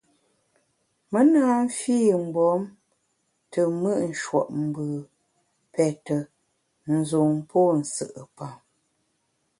Me na mfi mgbom te mùt nshuopmbù, pète, nzun pô nsù’pam.